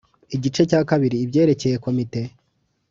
Igice cya kabiri ibyerekeye Komite